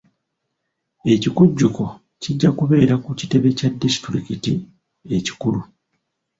Ekikujjuko kijja kubeera ku kitebe kya disitulikiti ekikulu.